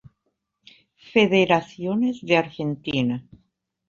Federaciones de Argentina